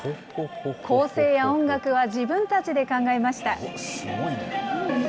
構成や音楽は自分たちで考えました。